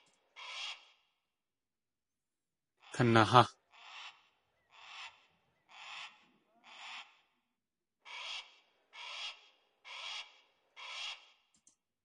Kanahá!